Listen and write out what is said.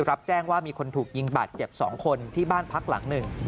รับแจ้งว่ามีคนถูกยิงบาดเจ็บ๒คนที่บ้านพักหลังหนึ่ง